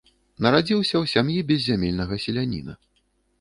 Нарадзіўся ў сям'і беззямельнага селяніна.